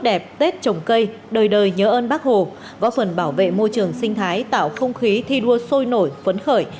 đẹp tết trồng cây đời đời nhớ ơn bác hồ góp phần bảo vệ môi trường sinh thái tạo không khí thi đua sôi nổi phấn khởi